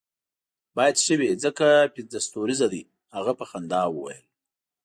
باید ښه وي ځکه پنځه ستوریزه دی، هغه په خندا وویل.